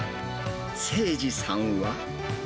清二さんは。